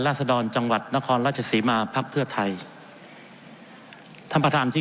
ศดรจังหวัดนครราชศรีมาภักดิ์เพื่อไทยท่านประธานที่